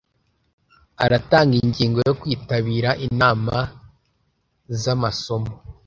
Aratanga ingingo yo kwitabira inama zamasomo